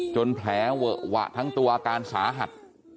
แผลเวอะหวะทั้งตัวอาการสาหัส